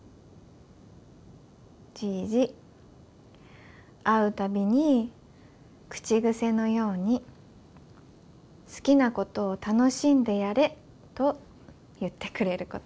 じいじ会う度に口癖のように『好きなことを楽しんでやれ』と言ってくれること